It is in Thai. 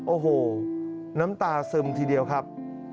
โอ้โหน้ำตาซึมทีเดียวครับ